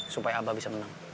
supaya abah bisa menang